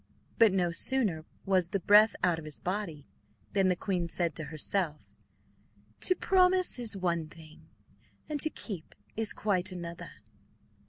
But no sooner was the breath out of his body, than the queen said to herself, "To promise is one thing, and to keep is quite another."